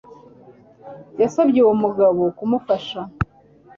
Yasabye uwo mugabo kumufasha